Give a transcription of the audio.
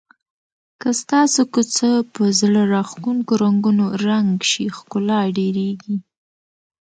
که ستاسو کوڅه په زړه راښکونکو رنګونو رنګ شي ښکلا ډېریږي.